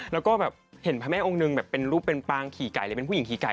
แล้วก็แบบเห็นพระแม่องค์หนึ่งแบบเป็นรูปเป็นปางขี่ไก่เลยเป็นผู้หญิงขี่ไก่